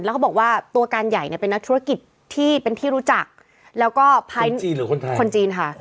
แล้วเขาบอกว่าตัวการใหญ่เนี่ยเป็นนักธุรกิจที่เป็นที่รู้จักแล้วก็คนจีนค่ะ